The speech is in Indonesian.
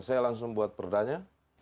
saya langsung buat perdanya